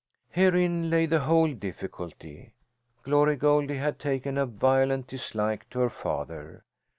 Herein lay the whole difficulty: Glory Goldie had taken a violent dislike to her father.